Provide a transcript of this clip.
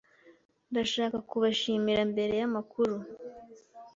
Ndashaka kubashimira mbere yamakuru.